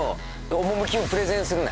趣をプレゼンするな。